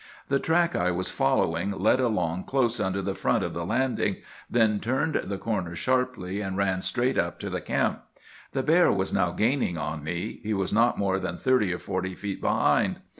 "The track I was following led along close under the front of the landing, then turned the corner sharply and ran straight up to the camp. The bear was now gaining on me. He was not more than thirty or forty feet behind.